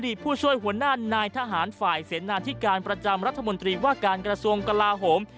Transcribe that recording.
ผู้ช่วยหัวหน้านายทหารฝ่ายเสนาธิการประจำรัฐมนตรีว่าการกระทรวงกลาโหม